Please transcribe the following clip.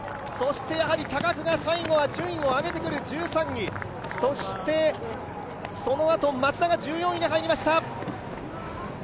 そして高久が順位を上げてくる１３位、そのあとマツダが１４位に入りました。